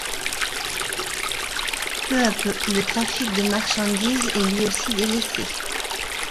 Peu à peu, le trafic de marchandise est lui aussi délaissé.